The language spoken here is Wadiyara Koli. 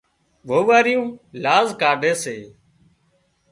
وئوئاريون لاز ڪاڍي سي